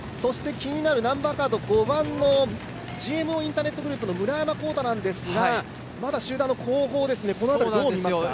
気になる５番のＧＭＯインターネットグループの村山紘太なんですが、まだ集団の後方ですね、この辺り、どう見ますか？